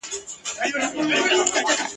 خو هغه کړو چي بادار مو خوشالیږي !.